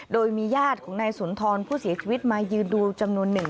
โดยมีญาติของนายสุนทรผู้เสียชีวิตมายืนดูจำนวนหนึ่ง